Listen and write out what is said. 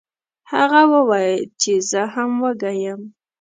هغه وویل چې زه هم وږی یم.